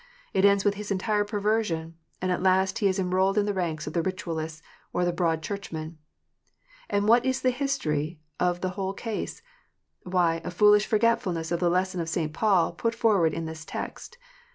it ends with his entire perversion, and at last he is enrolled in the ranks of the Ritualists or the Broad Church men ! And what is the history of the whole case 1 Why, a foolish forgetfulness of the lesson St. Paul puts forward in this text.